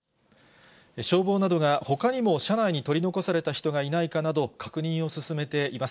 消防などが、ほかにも車内に取り残された人がいないかなど、確認を進めています。